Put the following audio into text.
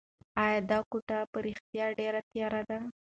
ایا دا کوټه په رښتیا ډېره تیاره ده؟